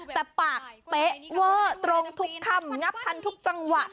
แต่ปากเป๊ะเวอร์ตรงทุกค่ำงับทันทุกจังหวะ